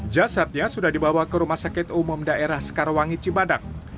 jasadnya sudah dibawa ke rumah sakit umum daerah sekarwangi cibadak